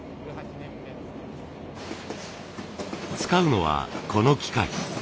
使うのはこの機械。